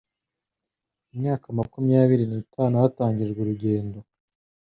imyaka makumyabiri nitanu hatangijwe urugendo